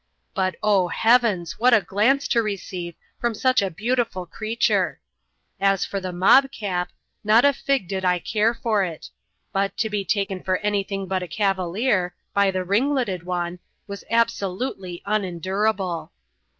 But, oh Heavens! what a glance to receive, from such a beautiful creature ! As for the mob cap, not a fig did I care for it; but, to be taken for any thing but a cavalier, by the ringletted one, was absolutely unendurable.